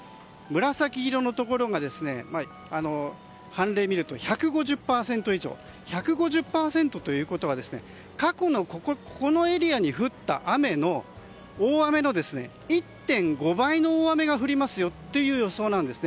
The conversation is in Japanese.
紫色のところが１５０％以上１５０％ということは過去のこのエリアに降った大雨の１．５倍の大雨が降りますよという予想なんです。